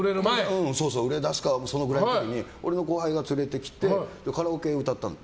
売れ出すかそれくらいの時に俺の後輩が連れてきてカラオケ歌ったの。